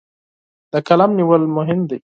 د قلم نیول مهم دي.